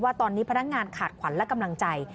ว่าตอนนี้พนักงานขาดขวัญและกำลังใจ